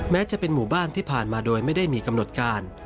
แม้จะเป็นหมู่บ้านที่ผ่านมาโดยไม่ได้มีกำหนดการ